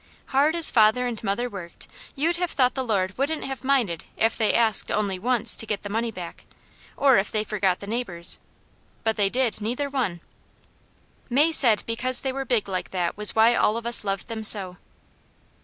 Hard as father and mother worked, you'd have thought the Lord wouldn't have minded if they asked only once to get the money back, or if they forgot the neighbours, but they did neither one. May said because they were big like that was why all of us loved them so.